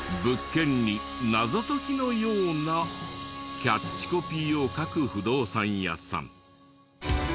物件に謎解きのようなキャッチコピーを書く不動産屋さん。